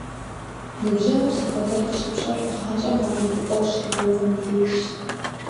Ныбжьэгъур зыхуэдэр къыщыпщӀэр гъащӀэм гъэунэхупӀэ ущригъэувэм и дежщ.